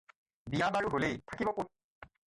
বিয়া বাৰু হ'লেই, থাকিব ক'ত?